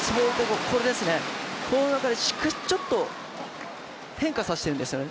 この中で、ちょっと変化させてるんですよね。